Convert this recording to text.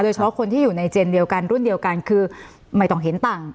เฉพาะคนที่อยู่ในเจนเดียวกันรุ่นเดียวกันคือไม่ต้องเห็นต่าง